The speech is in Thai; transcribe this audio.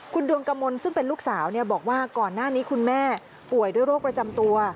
คุณดวงกมลซึ่งเป็นลูกสาวบอกว่าก่อนหน้านี้คุณแม่ป่วยด้วยโรคประจำตัว